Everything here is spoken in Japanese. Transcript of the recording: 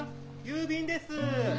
郵便です！